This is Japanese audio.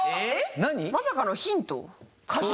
まさかのヒント？